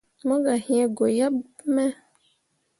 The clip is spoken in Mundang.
Mo gah yĩĩ goyaɓ me.